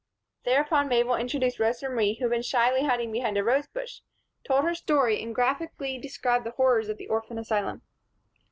Thereupon Mabel introduced Rosa Marie, who had been shyly hiding behind a rosebush, told her story and graphically described the horrors of the orphan asylum.